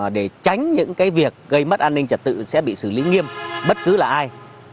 để tránh những việc gây mất an ninh trật tự sẽ bị xử lý nghiêm bất cứ là ai